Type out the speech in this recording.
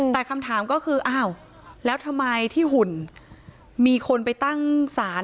แต่คำถามก็คืออ้าวแล้วทำไมที่หุ่นมีคนไปตั้งศาล